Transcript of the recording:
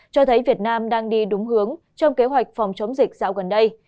cho thấy việt nam đang đi đúng hướng trong kế hoạch phòng chống dịch dạo gần đây